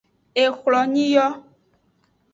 Ehlonyi yo.